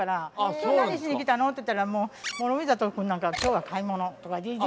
今日何しに来たのって言ったらもう諸見里君なんか「今日は買い物」とかって言うて。